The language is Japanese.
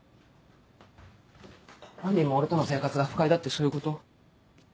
まみんも俺との生活が不快だってそういうこと？